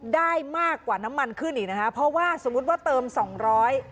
ได้มากกว่าน้ำมันขึ้นอีกนะคะเพราะว่าสมมุติว่าเติมสองร้อย